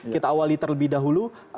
kita awali terlebih dahulu